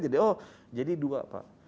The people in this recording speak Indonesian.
jadi oh jadi dua pak